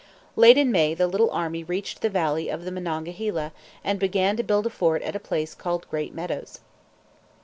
Late in May the little army reached the valley of the Monongahela, and began to build a fort at a place called Great Meadows.